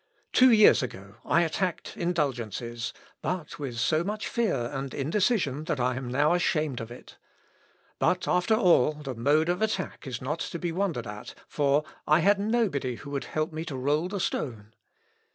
Two years ago I attacked indulgences, but with so much fear and indecision, that I am now ashamed of it. But, after all, the mode of attack is not to be wondered at, for I had nobody who would help me to roll the stone."